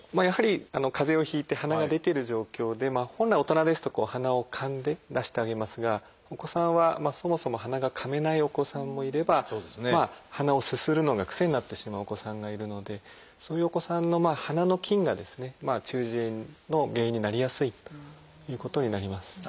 やはりかぜをひいてはなが出てる状況で本来大人ですとこうはなをかんで出してあげますがお子さんはそもそもはながかめないお子さんもいればはなをすするのが癖になってしまうお子さんがいるのでそういうお子さんのはなの菌がですね中耳炎の原因になりやすいということになります。